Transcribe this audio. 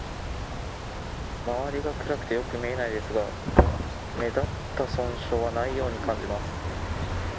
周りが暗くてよく見えないですが目立った損傷はないように感じます。